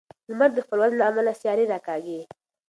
لمر د خپل وزن له امله سیارې راکاږي.